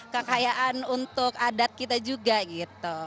kekayaan untuk adat kita juga gitu